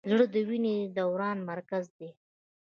زړه د وینې دوران مرکز دی.